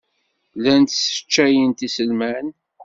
Llant sseččayent iselman.